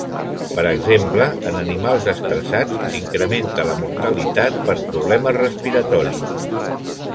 Per exemple, en animals estressats s'incrementa la mortalitat per problemes respiratoris.